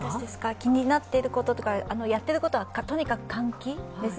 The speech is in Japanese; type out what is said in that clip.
気になっているというかやっていることはとにかく換気です。